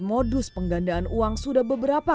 modus penggandaan uang sudah beberapa